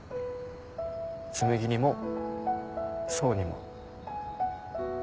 紬にも想にも。